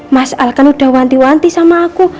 mas al kan udah wanti wanti sama aku